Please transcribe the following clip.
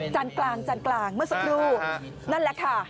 จานกลางเมื่อสักรูนั่นแหละค่ะ